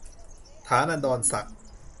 ฐานันดรศักดิ์